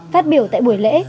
phát biểu tại buổi lễ